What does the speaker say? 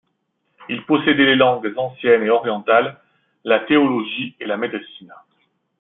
Il possédait les langues anciennes et orientales, la théologie et la médecine.